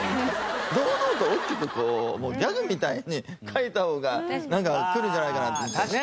堂々と大きくギャグみたいに書いた方が来るんじゃないかなと思っちゃった。